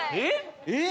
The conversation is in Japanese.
えっ⁉